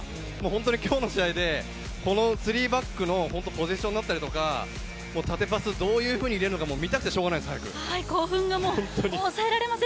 ホントに今日の試合でこの３バックのポジションとか、どういうふうに入れるのか見たくてしようがないです。